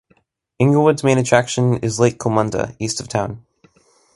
Inglewood's main attraction is Lake Coolmunda, east of town.